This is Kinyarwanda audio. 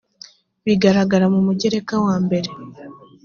bigaragara mu mugereka wa mbere